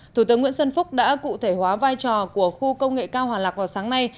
thủ tướng nguyễn xuân phúc đã cụ thể hóa vai trò của khu công nghệ cao hòa lạc vào sáng nay